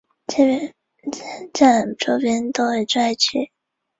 被严实征辟到东平路幕府。